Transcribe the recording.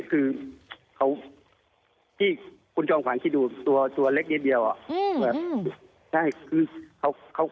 คือเขาที่คุณจองขวานที่ดูตัวตัวเล็กนิดเดียวอะอืมอืมใช่คือเขา